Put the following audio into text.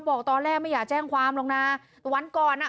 บอกตอนแรกไม่อยากแจ้งความหรอกนะแต่วันก่อนอ่ะ